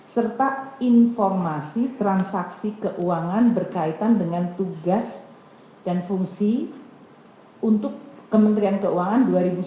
serta informasi transaksi keuangan berkaitan dengan tugas dan fungsi untuk kementerian keuangan dua ribu sembilan dua ribu dua puluh tiga